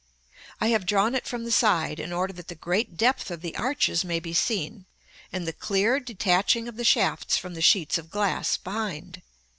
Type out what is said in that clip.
I have drawn it from the side, in order that the great depth of the arches may be seen, and the clear detaching of the shafts from the sheets of glass behind.